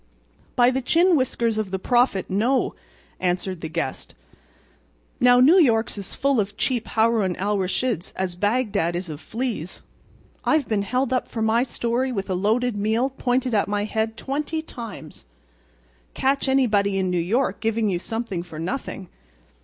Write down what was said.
"By the chin whiskers of the prophet—no!" answered the guest. "New York's as full of cheap Haroun al Raschids as Bagdad is of fleas. I've been held up for my story with a loaded meal pointed at my head twenty times. Catch anybody in New York giving you something for nothing!